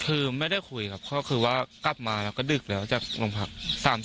คือไม่ได้คุยครับก็คือว่ากลับมาแล้วก็ดึกแล้วจากโรงพัก